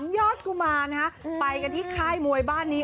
ยอดกุมารนะฮะไปกันที่ค่ายมวยบ้านนี้